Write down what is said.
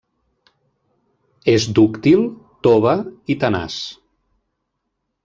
És dúctil, tova i tenaç.